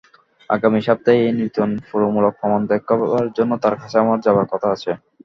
আগামী সপ্তাহে এই নূতন পরীক্ষামূলক প্রমাণ দেখবার জন্য তাঁর কাছে আমার যাবার কথা আছে।